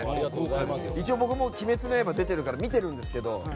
一応、僕も「鬼滅の刃」出てるから見てるんですけど